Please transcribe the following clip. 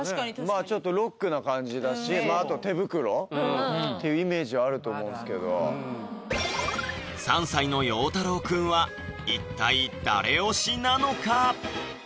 まぁちょっとロックな感じだしまぁあと手袋っていうイメージはあると思うんすけど３歳のようたろうくんは一体誰推しなのか？